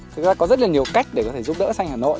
thực ra có rất là nhiều cách để có thể giúp đỡ xanh hà nội